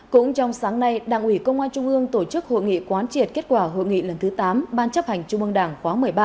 cũng trong sáng nay đảng ủy công an trung ương tổ chức hội nghị quán triệt kết quả hội nghị lần thứ tám ban chấp hành trung mương đảng khóa một mươi ba